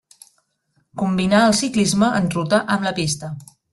Combinà el ciclisme en ruta amb la pista.